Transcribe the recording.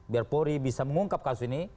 biar polri bisa mengungkap kasus ini